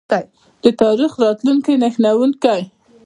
د تاریخ او راتلونکي نښلونکی.